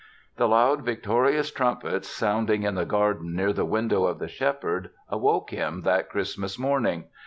The loud victorious trumpets sounding in the garden near the window of the Shepherd awoke him that Christmas morning.